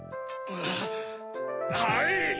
はい！